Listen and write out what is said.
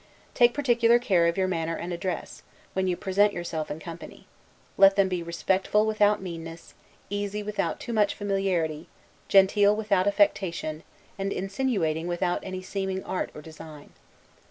Take particular care of your manner and address, when you present yourself in company. Let them be respectful without meanness, easy without too much familiarity, genteel without affectation, and insinuating without any seeming art or design.